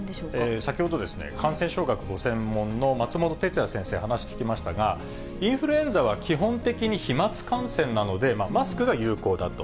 先ほどですね、感染症学ご専門の松本哲哉先生、話聞きましたが、インフルエンザは基本的に飛まつ感染なので、マスクが有効だと。